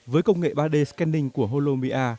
với công nghệ ba d scanning của holomia